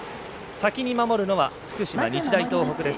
先に守るのは福島、日大東北です。